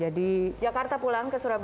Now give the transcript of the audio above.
jadi jakarta pulang ke surabaya